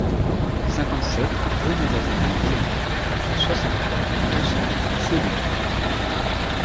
cinquante-sept rue de la Limagne Pontmort, soixante-trois, deux cents, Cellule